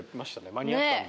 間に合ったんだ。